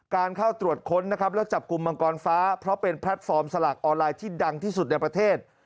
เข้าตรวจค้นนะครับและจับกลุ่มมังกรฟ้าเพราะเป็นแพลตฟอร์มสลากออนไลน์ที่ดังที่สุดในประเทศ